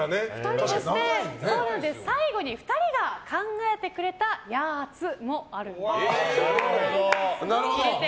最後に２人が考えてくれたやーつもあるようです。